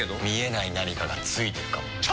見えない何かがついてるかも。